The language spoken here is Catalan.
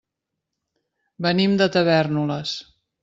Venim de Tavèrnoles.